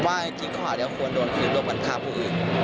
ผมว่าให้ทิ้งข้อหาเดี๋ยวควรโดนคือโรคบรรคาผู้อื่น